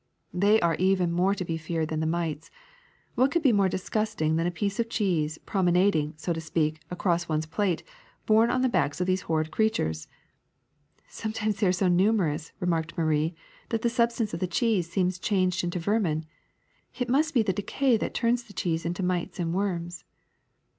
^'They are even more to be feared than the mites. A\Tiat could be more disgusting than a piece of cheese promenading, so to speak, across one's plate, borne on the backs of these horrid creatures!" ''Sometimes they are so numerous," remarked Marie, ''that the substance of the cheese seems changed into vermin. It must be the decay that turns the cheese into mites and worms."